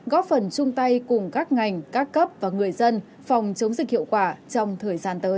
góp phần chung tay cùng các ngành các cấp và người dân phòng chống dịch hiệu quả trong thời gian tới